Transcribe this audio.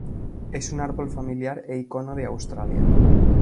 Es un árbol familiar e icono de Australia.